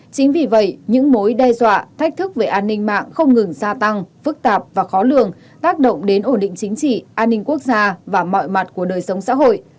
chính vì vậy những mối đe dọa thách thức về an ninh mạng không ngừng gia tăng phức tạp và khó lường tác động đến ổn định chính trị an ninh quốc gia và mọi mặt của đời sống xã hội